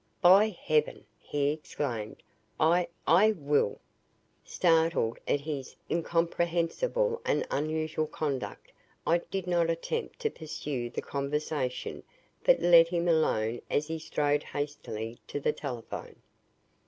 "By heaven!" he exclaimed, "I I will!" Startled at his incomprehensible and unusual conduct I did not attempt to pursue the conversation but let him alone as he strode hastily to the telephone.